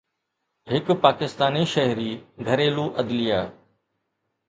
هڪ پاڪستاني شهري گهريلو عدليه